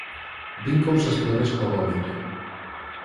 Vin cousas peores có vómito.